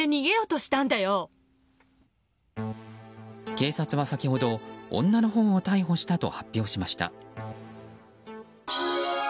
警察は先ほど、女のほうを逮捕したと発表しました。